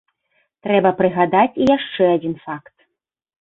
Трэба прыгадаць і яшчэ адзін факт.